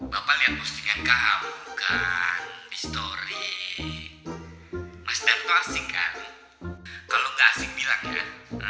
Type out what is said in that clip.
bapak lihat posting yang kamu kan di story mas darto asik kan kalau enggak asik bilang ya